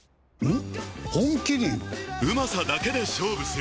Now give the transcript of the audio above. ん？